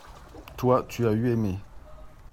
toi, tu as eu aimé.